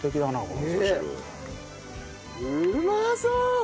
うまそう！